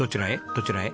どちらへ？